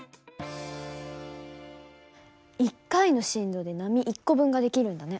１回の振動で波１個分が出来るんだね。